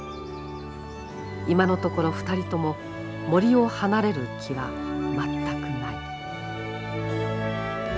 今のところ２人とも森を離れる気は全くない。